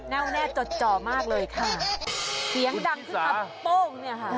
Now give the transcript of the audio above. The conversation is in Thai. แน่วแน่จดจ่อมากเลยค่ะเสียงดังขึ้นมาโป้งเนี่ยค่ะ